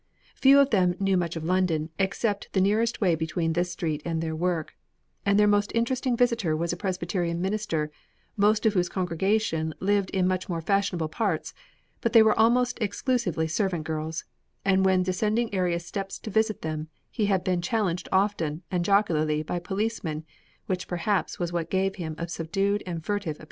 Few of them knew much of London except the nearest way between this street and their work, and their most interesting visitor was a Presbyterian minister, most of whose congregation lived in much more fashionable parts, but they were almost exclusively servant girls, and when descending area steps to visit them he had been challenged often and jocularly by policemen, which perhaps was what gave him a subdued and furtive appearance.